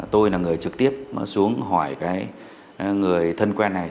tôi là người trực tiếp xuống hỏi cái người thân quen này